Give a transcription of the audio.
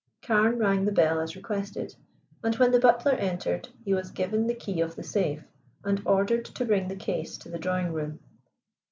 Carne rang the bell as requested, and when the butler entered he was given the key of the safe and ordered to bring the case to the drawing room.